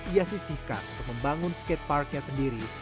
ia sisihkan untuk membangun skateparknya sendiri